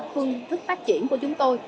ba phương thức phát triển của chúng tôi